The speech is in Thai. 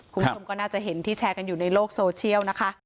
คุณผู้ชมก็น่าจะเห็นที่แชร์กันอยู่ในโลกโซเชียลนะคะ